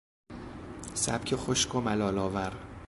سبک خشک و ملالآور